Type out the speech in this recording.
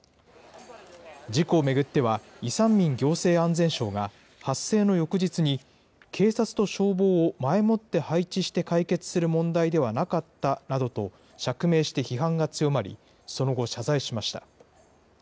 事故を巡っては、イ・サンミン行政安全相が発生の翌日に警察と消防を前もって配置して解決する問題ではなかったなどと釈明して批判が強まり、その後、謝罪しました。